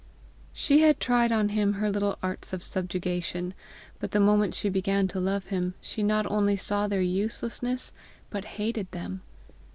She had tried on him her little arts of subjugation, but the moment she began to love him, she not only saw their uselessness, but hated them.